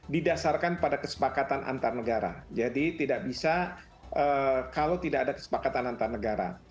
didasarkan pada kesepakatan antar negara jadi tidak bisa kalau tidak ada kesepakatan antar negara